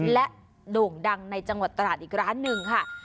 และโด่งดังในจังหวัดตราดอีกร้านหนึ่งค่ะ